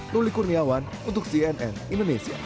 ruli kurniawan untuk cnn indonesia